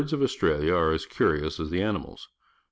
Aiiati'.aUa are as curious as the animals.